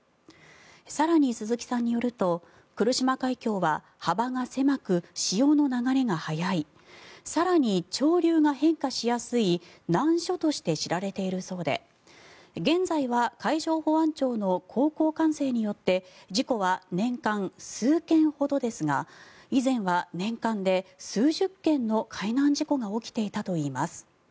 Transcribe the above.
更に、鈴木さんによると来島海峡は幅が狭く潮の流れが速い更に、潮流が変化しやすい難所として知られているそうで現在は海上保安庁の航行管制によって事故は年間数件ほどですが以前は年間で、数十件の海難事故が起きていたといいます。